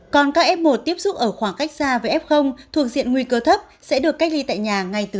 còn các f một tiếp xúc ở khoảng cách xa với f thuộc diện nguy cơ thấp sẽ được cách ly tại nhà ngay từ